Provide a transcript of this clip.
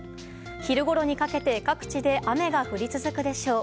昼ごろにかけて各地で雨が降り続くでしょう。